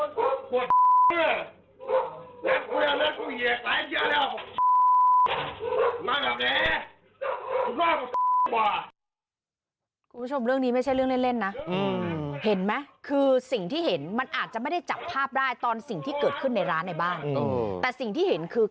คุณผู้ชมเรื่องนี้ไม่ใช่เรื่องเล่นนะเห็นไหมคือสิ่งที่เห็นมันอาจจะไม่ได้จับภาพได้ตอนสิ่งที่เกิดขึ้นในร้านในบ้านแต่สิ่งที่เห็นคือ